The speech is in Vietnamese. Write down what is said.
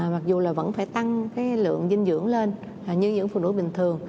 mặc dù là vẫn phải tăng cái lượng dinh dưỡng lên như những phụ nữ bình thường